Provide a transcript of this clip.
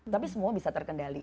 tapi semua bisa terkendali